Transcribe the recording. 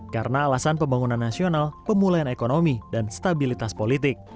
karena alasan pembangunan nasional pemulaian ekonomi dan stabilitas politik